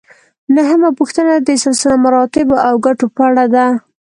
نهمه پوښتنه د سلسله مراتبو او ګټو په اړه ده.